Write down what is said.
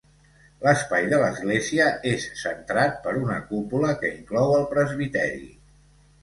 L'espai de l'església és centrat per una cúpula que inclou el presbiteri.